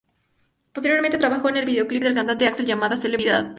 Posteriormente trabajó en el videoclip del cantante Axel llamada "Celebra la vida".